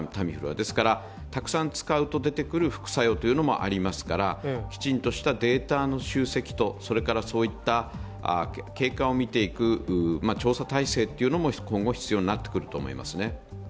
ですから、たくさん使うと出てくる副作用というのもありますからきちんとしたデータの集積と経過を見ていく、調査体制も今後必要になってくると思います。